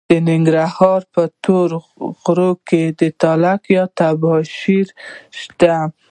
د ننګرهار په تور غره کې تالک یا تباشیر شته.